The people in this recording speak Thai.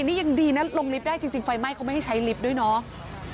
นี่ยังดีนะลงลิฟต์ได้จริงไฟไหม้เขาไม่ให้ใช้ลิฟต์ด้วยเนาะ